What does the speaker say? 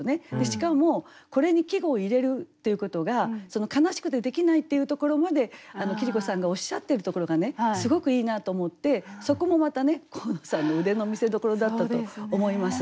しかもこれに季語を入れるっていうことが悲しくてできないっていうところまで桐子さんがおっしゃってるところがすごくいいなと思ってそこもまたね神野さんの腕の見せどころだったと思います。